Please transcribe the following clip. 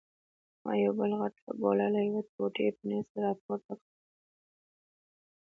ما یوه بله غټه ګوله له یوې ټوټې پنیر سره راپورته کړل.